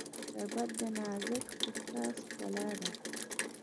شربت د نازک احساس ښکلا ده